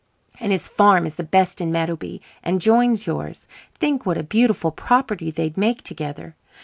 And his farm is the best in Meadowby and joins yours. Think what a beautiful property they'd make together.